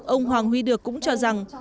ông hoàng huy được cũng cho rằng